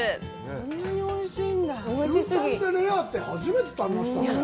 牛タンでレアって初めて食べましたね。